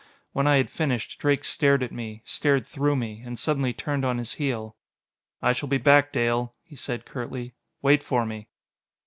When I had finished. Drake stared at me stared through me and suddenly turned on his heel. "I shall be back, Dale," he said curtly. "Wait for me!"